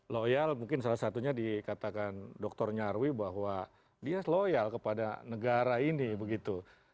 loyal mungkin salah satunya dikatakan dr nyarwi bahwa dia loyal kepada negara ini begitu